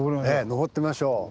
上ってみましょう。